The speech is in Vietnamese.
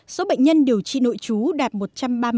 số bệnh nhân điều trị nội trú đạt một trăm ba mươi ba